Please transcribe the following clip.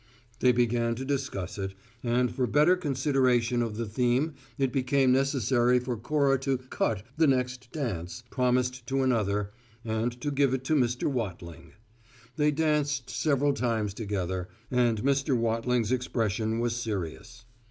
They began to discuss it, and for better consideration of the theme it became necessary for Cora to "cut" the next dance, promised to another, and to give it to Mr. Wattling. They danced several times together, and Mr. Wattling's expression was serious.